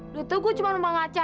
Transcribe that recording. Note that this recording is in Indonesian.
udah tuh aku cuma lembar ngaca